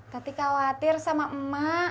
nanti khawatir sama emak